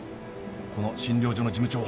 この診療所の事務長。